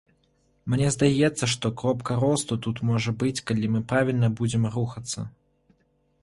Мне здаецца, што кропка росту тут можа быць, калі мы правільна будзем рухацца.